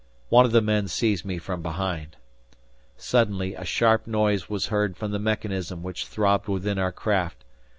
One of the men seized me from behind. Suddenly a sharp noise was heard from the mechanism which throbbed within our craft.